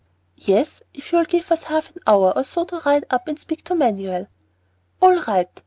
"Yes, if you'll give us half an hour or so to ride up and speak to Manuel." "All right.